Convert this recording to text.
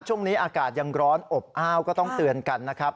ช่วงนี้อากาศยังร้อนอบอ้าวก็ต้องเตือนกันนะครับ